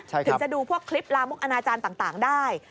ถึงจะดูพวกคลิปลามกอนาจารย์ต่างได้